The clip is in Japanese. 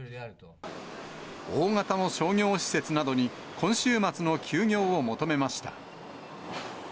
大型の商業施設などに、今週末の休業を求めました。